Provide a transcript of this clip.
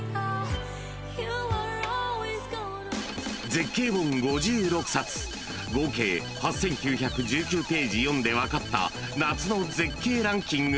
［絶景本５６冊合計８，９１９ページ読んで分かった夏の絶景ランキング